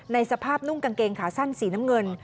สภาพนุ่งกางเกงขาสั้นสีน้ำเงิน